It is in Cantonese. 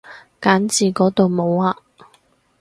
揀字嗰度冇啊